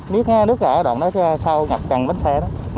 biết nghe nước ngay ở đoạn đó sau ngập càng bến xe đó